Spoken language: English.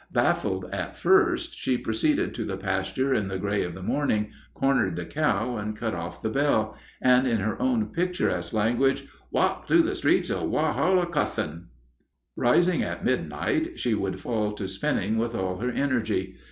Baffled at first, she proceeded to the pasture in the gray of the morning, cornered the cow, and cut off the bell, and, in her own picturesque language, "walked through the streets of Walhalla cussin'." Rising at midnight she would fall to spinning with all her energy.